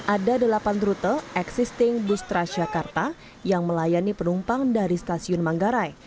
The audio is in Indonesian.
ada delapan rute existing bus transjakarta yang melayani penumpang dari stasiun manggarai